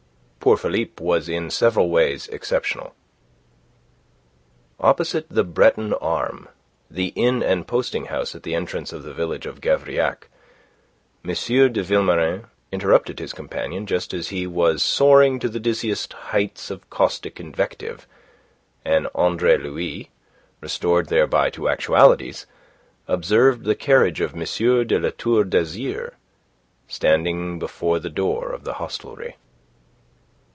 Poor Philippe was in several ways exceptional. Opposite the Breton arme the inn and posting house at the entrance of the village of Gavrillac M. de Vilmorin interrupted his companion just as he was soaring to the dizziest heights of caustic invective, and Andre Louis, restored thereby to actualities, observed the carriage of M. de La Tour d'Azyr standing before the door of the hostelry.